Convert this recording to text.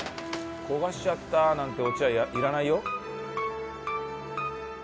焦がしちゃったなんてオチはいらないよ。